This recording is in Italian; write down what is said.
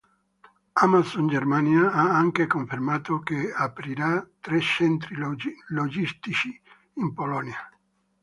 Amazon Germania ha anche confermato che aprirà tre centri logistici in Polonia.